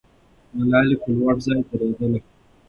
ملالۍ په لوړ ځای درېدله.